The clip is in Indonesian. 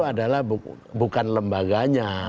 adalah bukan lembaganya